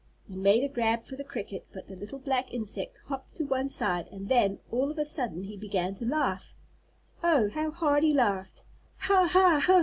He made a grab for the cricket, but the little black insect hopped to one side, and then, all of a sudden he began to laugh. Oh, how hard he laughed. "Ha! Ha!